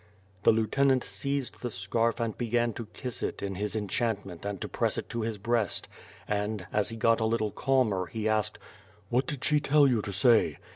The lieutenant seized the scarf and began to kiss it in his enchantment and to press it to his breast and, as he got a little calmer, he asked: "What did she tell you to say?"